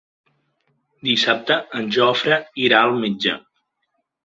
Dissabte en Jofre irà al metge.